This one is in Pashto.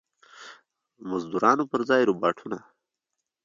مزدورانو پر ځای روباټونه.